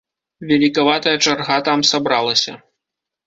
Велікаватая чарга там сабралася.